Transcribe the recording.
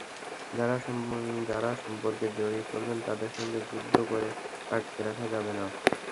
যাঁরা সম্পর্কে জড়িয়ে পড়বেন, তাঁদের সঙ্গে যুদ্ধ করে আটকে রাখা যাবে না।